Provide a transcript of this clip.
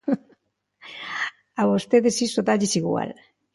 A vostedes iso dálles igual.